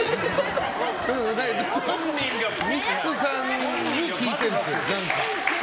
ミッツさんに聞いているんです。